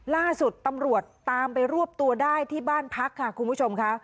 ล่าสุดตำรวจตามไปรวบตัวได้ที่บ้านพักค่ะคุณผู้ชมค่ะ